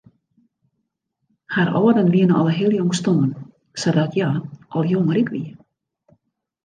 Har âlden wiene al heel jong stoarn sadat hja al jong ryk wie.